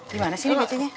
gimana sih ini bacanya